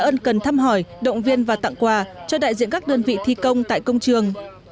ân cần thăm hỏi động viên và tặng quà cho đại diện các đơn vị thi công tại công trường